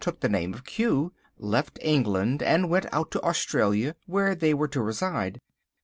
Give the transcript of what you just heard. took the name of Q— left England and went out to Australia, where they were to reside."